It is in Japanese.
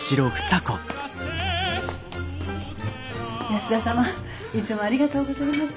安田様いつもありがとうございます。